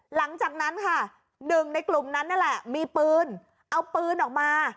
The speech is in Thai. หลังจากนั้นค่ะหนึ่งในกลุ่มนั้นนั่นแหละมีปืนเอาปืนออกมา